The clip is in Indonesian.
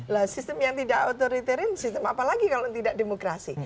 lah sistem yang tidak authoritarian sistem apalagi kalau tidak demokrasi